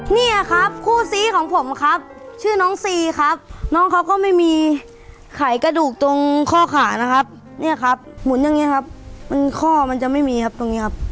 เนี่ยครับคู่ซีของผมครับชื่อน้องซีครับน้องเขาก็ไม่มีไขกระดูกตรงข้อขานะครับเนี่ยครับหมุนอย่างนี้ครับมันข้อมันจะไม่มีครับตรงนี้ครับ